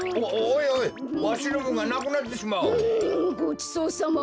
うんごちそうさま。